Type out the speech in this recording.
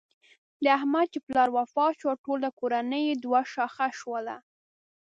د احمد چې پلار وفات شو ټوله کورنۍ یې دوه شاخه شوله.